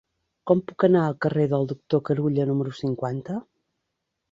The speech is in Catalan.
Com puc anar al carrer del Doctor Carulla número cinquanta?